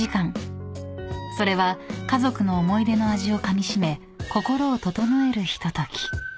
［それは家族の思い出の味をかみしめ心を整えるひととき］